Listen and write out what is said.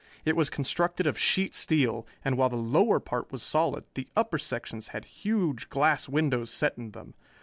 It was constructed of sheet steel, and while the lower part was solid, the upper sections had huge glass windows set in them.